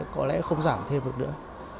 có lẽ không giảm thêm được nữa